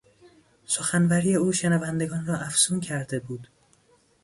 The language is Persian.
سخنوری او شنوندگان را افسون کرده بود.